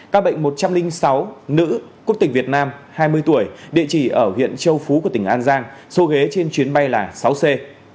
các bệnh một trăm linh sáu nữ quốc tịch việt nam hai mươi tuổi địa chỉ ở huyện châu phú của tỉnh an giang số ghế trên chuyến bay là sáu c